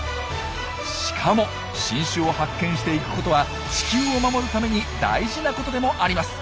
しかも新種を発見していくことは地球を守るために大事なことでもあります。